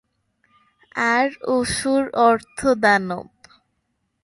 আর অসুর অর্থ দানব।